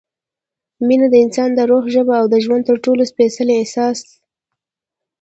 مینه – د انسان د روح ژبه او د ژوند تر ټولو سپېڅلی احساس